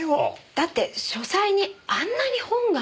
だって書斎にあんなに本が。